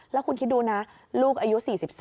แล้วคุณคิดดูนะลูกอายุ๔๓